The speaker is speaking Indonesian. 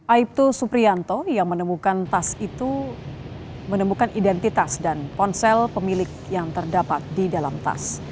aibtu suprianto yang menemukan tas itu menemukan identitas dan ponsel pemilik yang terdapat di dalam tas